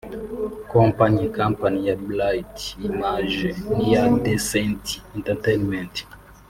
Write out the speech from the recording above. Kompanyi (Company) ya Bright Image n’iya Decent Entertainment